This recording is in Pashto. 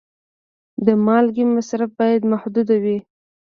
د مالګې مصرف باید محدود وي.